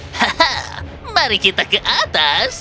hahaha mari kita ke atas